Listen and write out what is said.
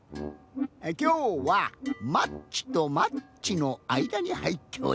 きょうはマッチとマッチのあいだにはいっております。